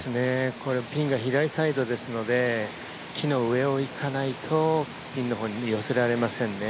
ピンが左サイドですので木の上をいかないとピンの方に寄せられませんね。